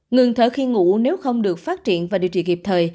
ngừng thở khi ngủ nếu không được phát triển và điều trị kịp thời